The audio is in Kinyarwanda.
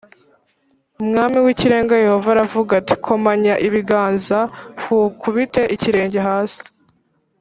Umwami w Ikirenga Yehova aravuga ati komanya ibiganza h ukubite ikirenge hasi